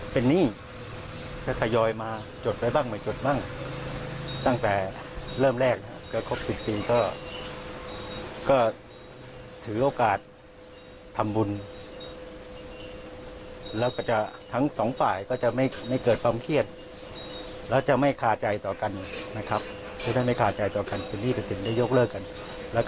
พี่สมศักดิ์เล่าให้ฟังหน่อยค่ะ